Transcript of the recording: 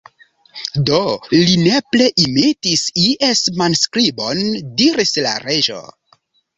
"Do, li nepre imitis ies manskribon," diris la Reĝo.